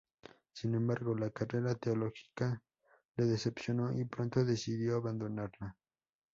Sin embargo, la carrera teológica le decepcionó y pronto decidió abandonarla.